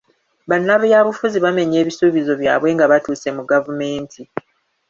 Bannabyabufuzi bamenya ebisuubizo byabwe nga batuuse mu gavumeenti?